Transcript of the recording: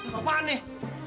kau apaan nih